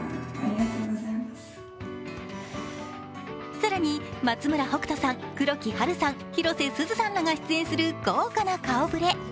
更に松村北斗さん、黒木華さん、広瀬すずさんらが出演する豪華な顔ぶれ。